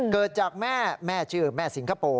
เกิดจากแม่แม่ชื่อแม่สิงคโปร์